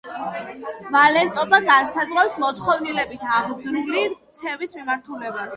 ვალენტობა განსაზღვრავს, მოთხოვნილებით აღძრული ქცევის მიმართულებას.